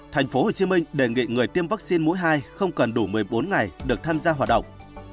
thành phố hồ chí minh đề nghị người tiêm vaccine mũi hai không cần đủ một mươi bốn ngày được tham gia hoạt động